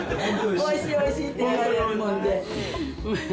おいしいおいしいって言われるもんで。